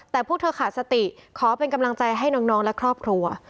แต่พวกเธอขาดสติขอเป็นกำลังใจให้น้องและครอบครัว